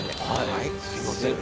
はいすいません。